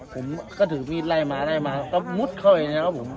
ผมก็ถือมีไล่มาไล่มาก็มุดเข้าไปเนี้ยแล้วผม